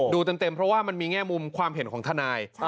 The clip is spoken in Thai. ดูเต็มเพราะว่ามันมีแง่มุมความเห็นของทนาย